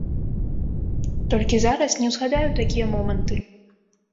Толькі зараз не ўзгадаю такія моманты.